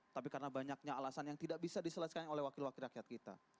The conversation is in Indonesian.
tapi karena banyaknya alasan yang tidak bisa diselesaikan oleh wakil wakil rakyat kita